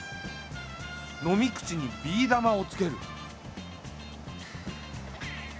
飲み口にビー玉をつける。